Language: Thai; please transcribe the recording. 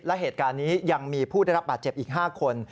และเหตุการณ์นี้ยังมีผู้ได้รับบาดเจ็บอีก๕คน